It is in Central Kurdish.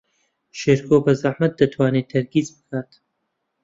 شێرکۆ بەزەحمەت دەتوانێت تەرکیز بکات.